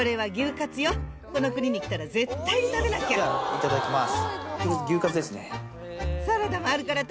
いただきます。